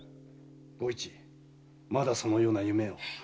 吾市まだそのような夢を。